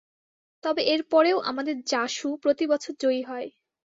তবে এরপরেও আমাদের জাসু প্রতিবছর জয়ী হয়।